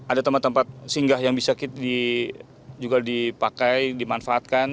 ada tempat tempat singgah yang bisa juga dipakai dimanfaatkan